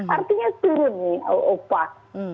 artinya sulit ini upah